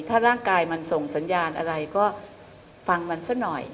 ถ้าร่างกายมันส่งสัญญาณอะไรก็ฟังมันซะหน่อย